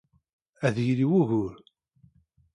Ad yili wugur.